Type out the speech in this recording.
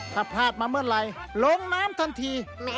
ถ้าพลาดมาเมื่อไหร่ลงน้ำทันที